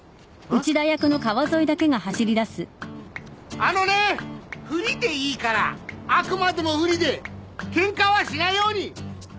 あのねふりでいいからあくまでもふりでケンカはしないように！